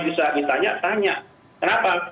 bisa ditanya tanya kenapa